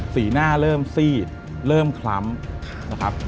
สีหน้าเริ่มซีดเริ่มคล้ำนะครับ